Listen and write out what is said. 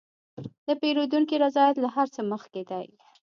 د پیرودونکي رضایت له هر څه مخکې دی.